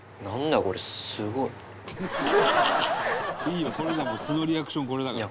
「いいのこういうのは素のリアクションこれだから」